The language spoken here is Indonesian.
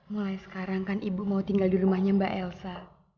mulai sekarang kan ibu mau tinggal di rumahnya mbak elsa